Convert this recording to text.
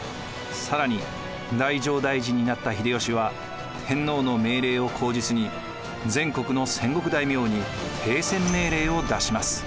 更に太政大臣になった秀吉は天皇の命令を口実に全国の戦国大名に停戦命令を出します。